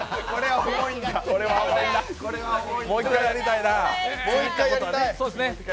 もう一回やりたいなあ。